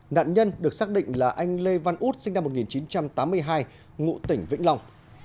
nạn nhân được xác định là anh lê văn út sinh năm một nghìn chín trăm tám mươi hai ngụ tỉnh vĩnh long